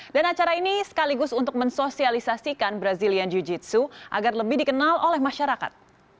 dan acara ini sekaligus untuk mensosialisasikan brazilian jiu jitsu agar lebih dikenal oleh masyarakat